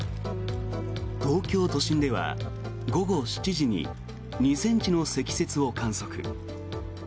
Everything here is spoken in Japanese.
東京都心では午後７時に２ｃｍの積雪を観測。